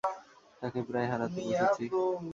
তাকে প্রায় হারাতে বসেছি।